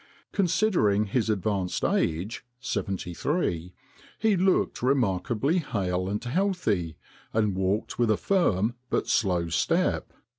Considering his advanced age, seventy three, he looked remarkably hale and healthy, and walked with a firm but slow step."